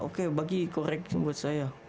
oke bagi korek buat saya